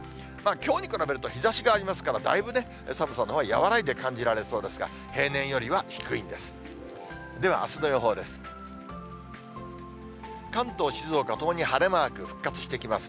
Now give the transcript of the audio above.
きょうに比べると日ざしがありますから、だいぶね、寒さのほうは和らいで感じられそうですが、平年よりは低いんです。